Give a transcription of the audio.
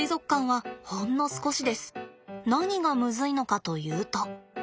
何がむずいのかというと。